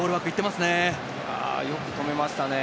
よく止めましたね。